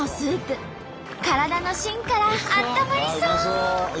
体のしんからあったまりそう！